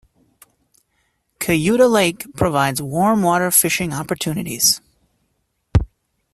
Cayuta Lake provides warmwater fishing opportunities.